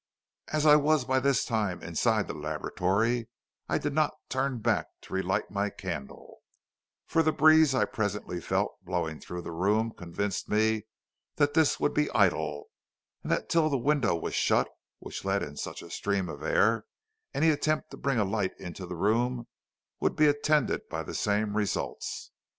As I was by this time inside the laboratory I did not turn back to relight my candle, for the breeze I presently felt blowing through the room convinced me that this would be idle, and that till the window was shut, which let in such a stream of air, any attempt to bring a light into the room would be attended by the same results.